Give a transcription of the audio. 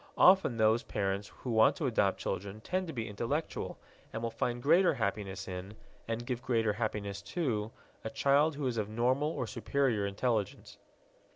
Often those parents who want to adopt children tend to be intellectual, and will find greater happiness in and give greater happiness to a child who is of normal or superior intelligence.